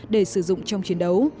để sử dụng trong chiến đấu